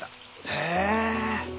へえ！